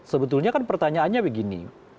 sebetulnya kan pertanyaannya begini